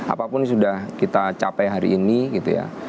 apapun sudah kita capai hari ini gitu ya